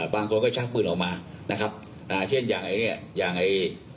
บางคนก็ชักปืนออกมานะครับอ่าเช่นอย่างไอ้เนี้ยอย่างไอ้